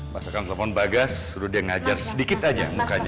mas akan telepon bagas suruh dia ngajar sedikit aja mukanya